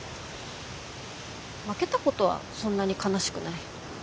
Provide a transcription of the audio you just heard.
負けたことはそんなに悲しくない。